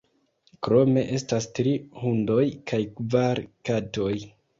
Krome estas tri hundoj kaj kvar katoj.